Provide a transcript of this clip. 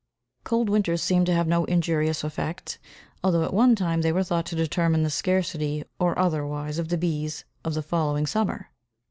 Cold winters seem to have no injurious effect, although at one time they were thought to determine the scarcity or otherwise of the bees of the following summer.